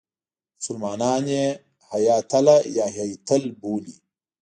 مسلمانان یې هیاتله یا هیتل بولي.